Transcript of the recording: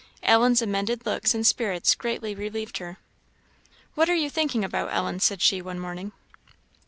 Ellen's amended looks and spirits greatly relieved her. "What are you thinking about, Ellen?" said she, one morning.